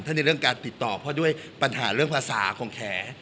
ในเรื่องการติดต่อเพราะด้วยปัญหาเรื่องภาษาของแข